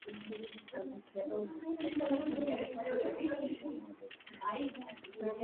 Abhakerobha Wakiroba Abhakabhwa Wakabwa Abhasimbete Wasimbiti